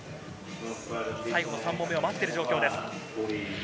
最後の３本目を待っている状況です。